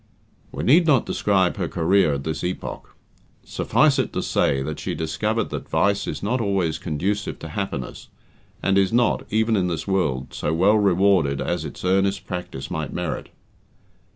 We need not describe her career at this epoch. Suffice it to say that she discovered that vice is not always conducive to happiness, and is not, even in this world, so well rewarded as its earnest practice might merit.